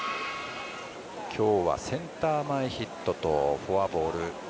今日はセンター前ヒットとフォアボール。